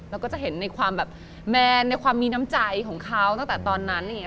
เราก็จะเห็นในความแบบแมนในความมีน้ำใจของเขาตั้งแต่ตอนนั้น